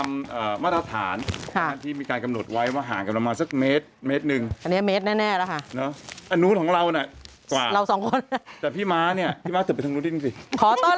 ๑เมตรหนึ่งแม่ของเราน่ะรอสองคนขอต้อน